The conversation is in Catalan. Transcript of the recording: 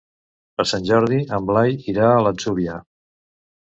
Per Sant Jordi en Blai irà a l'Atzúbia.